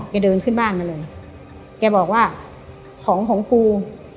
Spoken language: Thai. เดินขึ้นบ้านมาเลยแกบอกว่าของของครู